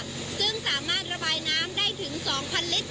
ซึ่งสามารถระบายน้ำได้ถึง๒๐๐ลิตร